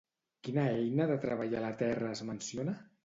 Quina eina de treballar la terra es menciona?